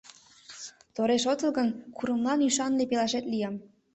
Тореш отыл гын, курымлан ӱшанле пелашет лиям.